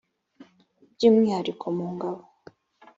by umwihariko mu ngabo